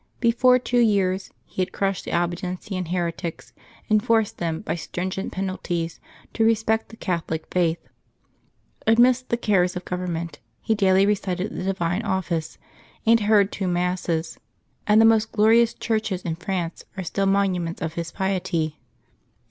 Before two years, he had crushed the Albigensian heretics, and forced them by stringent penalties to respect the Catholic faith. Amidst the cares of government, he daily recited the Divine Office and heard two Masses, and the most glorious churches in France are still monuments of his piety.